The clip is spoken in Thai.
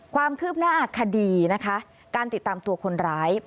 ความคืบหน้าคดีนะคะการติดตามตัวคนร้าย